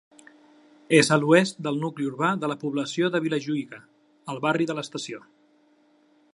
És a l'oest del nucli urbà de la població de Vilajuïga, al barri de l'Estació.